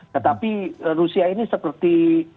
tetapi rusia ini seperti